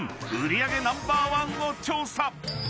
［売り上げナンバーワンを調査］